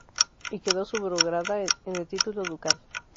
Y quedó subrogada en el título ducal.